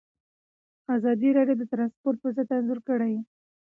ازادي راډیو د ترانسپورټ وضعیت انځور کړی.